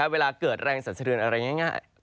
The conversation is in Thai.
เวลาเกิดแรงสันสะเทือนอะไรง่าย